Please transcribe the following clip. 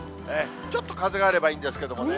ちょっと風があればいいんですけどもね。